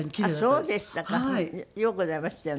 そうでしたか。